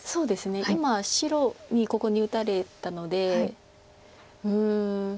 今白にここに打たれたのでうん